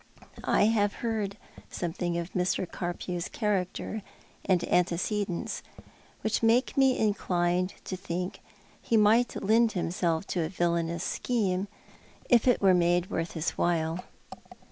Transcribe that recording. I have heard something of Mr. Carpew's character and antecedents which makes me inclined to think he might lend himself to a villainous scheme, if it were made worth his while."